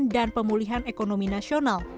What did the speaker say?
dan pemulihan ekonomi nasional